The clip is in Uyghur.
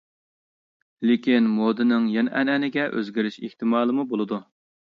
لېكىن مودىنىڭ يەنە ئەنئەنىگە ئۆزگىرىش ئېھتىمالىمۇ بولىدۇ.